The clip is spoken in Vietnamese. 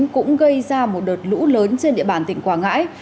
cũng gây ra một đợt lũ lớn trên địa bàn tỉnh quảng ngãi